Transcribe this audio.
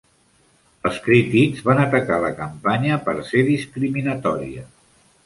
Els crítics van atacar la campanya per ser discriminatòria.